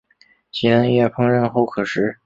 其嫩叶烹饪后可食。